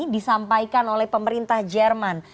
disampaikan oleh pemerintah jerman